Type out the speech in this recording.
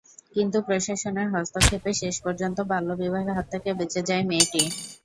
কিন্তু প্রশাসনের হস্তক্ষেপে শেষ পর্যন্ত বাল্যবিবাহের হাত থেকে বেঁচে যায় মেয়েটি।